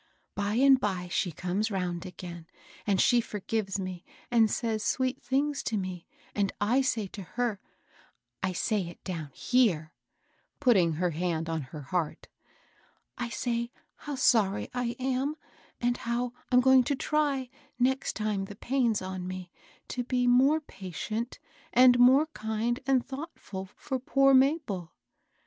By and by she comes round again, and she forgives me, and says sweet things to me ; and I say to her, — I say it down here^^ putting her hand on her heart, — "I say how sorry I am, and how I'm going to try, next time the pain's on me, to be more patient and more kind and thoughtful for poor Mabel."